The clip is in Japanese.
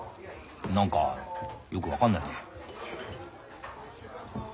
何かよく分かんないね。